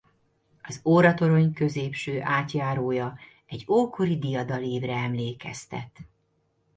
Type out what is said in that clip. Az Óratorony középső átjárója egy ókori diadalívre emlékeztet.